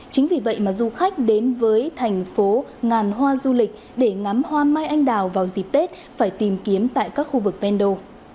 chính vì vậy mà du khách đến với thành phố ngàn hoa du lịch để ngắm hoa mai anh đào vào dịp tết phải tìm kiếm tại các khu vực ven đô